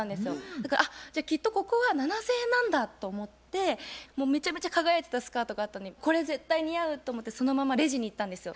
だからあっじゃあきっとここは７，０００円なんだと思ってもうめちゃめちゃ輝いてたスカートがあったのでこれ絶対似合うと思ってそのままレジに行ったんですよ。